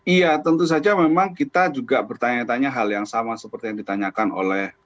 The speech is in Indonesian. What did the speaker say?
iya tentu saja memang kita juga bertanya tanya hal yang sama seperti yang ditanyakan oleh